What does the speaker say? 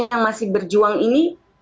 yang masih berjuang ini